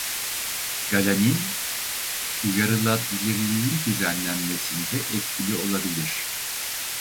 Galanin uyarılabilirliğin düzenlenmesinde etkili olabilir.